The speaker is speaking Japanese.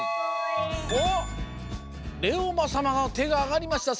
おっれおまさまがてがあがりました。